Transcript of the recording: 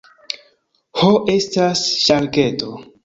Ho estas ŝarketo.